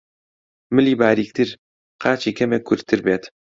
ملی باریکتر، قاچی کەمێک کورتتر بێت